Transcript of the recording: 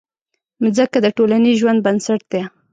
مځکه د ټولنیز ژوند بنسټ ده.